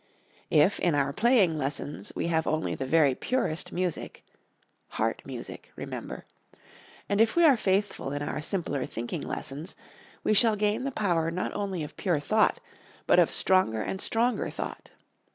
If in our playing lessons we have only the very purest music (heart music, remember), and if we are faithful in our simpler thinking lessons, we shall gain the power not only of pure thought, but of stronger and stronger thought.